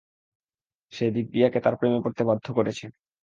সে দিব্যিয়াকে তার প্রেমে পড়তে বাধ্য করেছে।